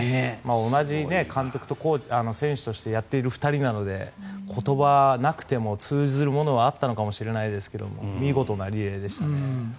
同じ監督と選手としてやっている２人なので言葉なくても通じるものはあったのかもしれないですが見事なリレーでしたね。